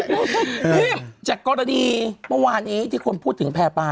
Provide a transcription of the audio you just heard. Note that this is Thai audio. นี่จากกรณีเมื่อวานนี้ที่คนพูดถึงแพร่ปลา